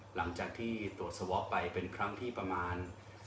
หลังจากที่ตรวจสวอปไปเป็นครั้งที่ประมาณ